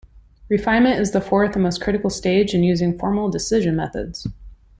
Refinement is the fourth and most critical stage in using formal decision methods.